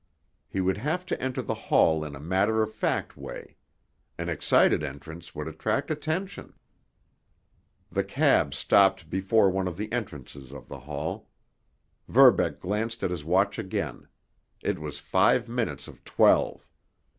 He would have to enter the hall in a matter of fact way. An excited entrance would attract attention. The cab stopped before one of the entrances of the hall. Verbeck glanced at his watch again—it was five minutes of twelve.